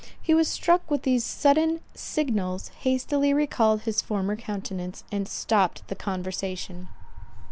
He was struck with these sudden signals; hastily recalled his former countenance, and stopped the conversation.